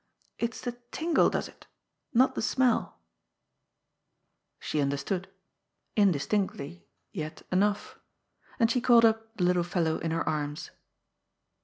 It's the tingle does it, not the smell." She understood — indistinctly, yet enough. And she caught up the little fellow in her arms.